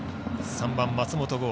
３番、松本剛。